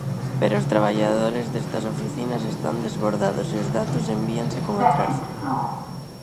Pero os traballadores destas oficinas están desbordados e os datos envíanse con atraso.